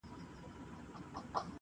پر بل مخ سوه هنګامه په یوه آن کي-